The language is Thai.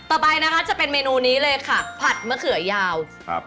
ต่อไปนะคะจะเป็นเมนูนี้เลยค่ะผัดมะเขือยาวครับ